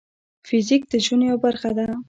فزیک د ژوند یوه برخه ده.